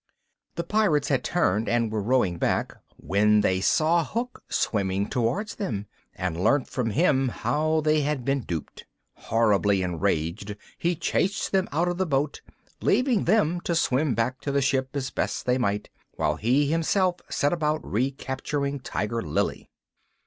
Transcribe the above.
The Pirates had turned and were rowing back, when they saw Hook swimming towards them, and learnt from him how they had been duped. Horribly enraged, he chased them out of the boat, leaving them to swim back to the ship as best they might, while he himself set about recapturing Tiger Lily.